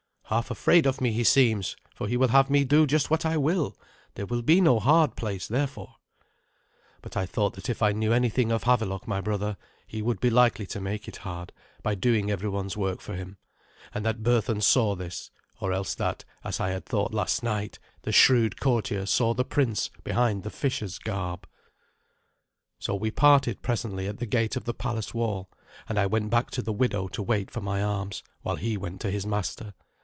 "Half afraid of me he seems, for he will have me do just what I will. That will be no hard place therefore." But I thought that if I knew anything of Havelok my brother, he would be likely to make it hard by doing every one's work for him, and that Berthun saw this; or else that, as I had thought last night, the shrewd courtier saw the prince behind the fisher's garb. So we parted presently at the gate of the palace wall, and I went back to the widow to wait for my arms, while he went to his master.